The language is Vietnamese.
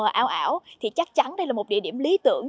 ao ảo thì chắc chắn đây là một địa điểm lý tưởng